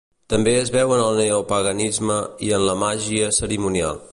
També es veu en el neopaganisme i en la màgia cerimonial.